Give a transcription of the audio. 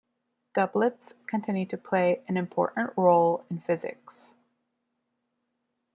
Doublets continue to play an important role in physics.